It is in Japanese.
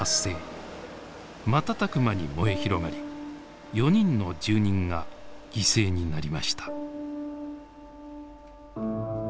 瞬く間に燃え広がり４人の住人が犠牲になりました。